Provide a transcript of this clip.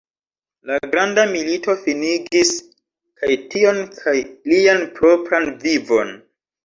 La Granda Milito finigis kaj tion kaj lian propran vivon.